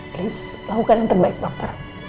terus lakukan yang terbaik dokter